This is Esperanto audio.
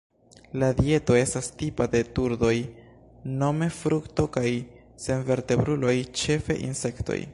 La dieto estas tipa de turdoj: nome frukto kaj senvertebruloj, ĉefe insektoj.